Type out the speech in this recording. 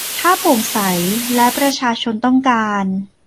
ถ้าโปร่งใสและประชาชนต้องการ